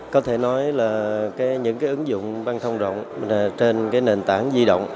có thể nói là những cái ứng dụng băng thông rộng trên nền tảng di động